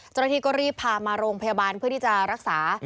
เจ้าหน้าที่ก็รีบพามาโรงพยาบาลเพื่อที่จะรักษา